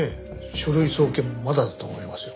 書類送検もまだだと思いますよ。